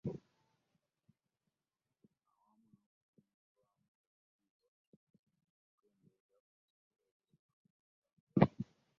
Awamu n'okussibwamu ekitiibwa okukendeeza ku bizibu ebiri mu ggwanga.